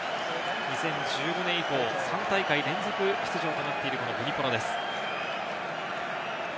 ２０１５年以降、３大会連続出場となっているヴニボラです。